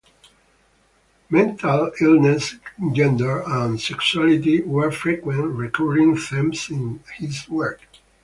Mental illness, gender and sexuality were frequent recurring themes in his work.